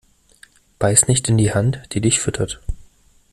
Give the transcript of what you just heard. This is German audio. Beiß nicht in die Hand, die dich füttert.